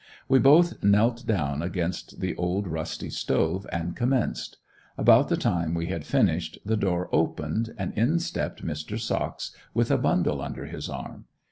We both knelt down against the old, rusty stove and commenced. About the time we had finished the door opened and in stepped Mr. Socks with a bundle under his arm.